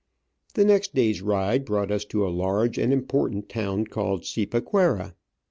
The next day's ride brought us to a large and important town called Cipaquira.